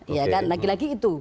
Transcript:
iya kan lagi lagi itu